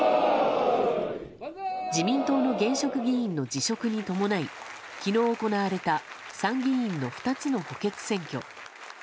自民党の現職議員の辞職に伴い昨日行われた参議院の２つの補欠選挙。